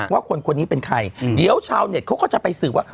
ว่าคนคนนี้เป็นใครเดี๋ยวชาวเน็ตเขาก็จะไปสืบว่า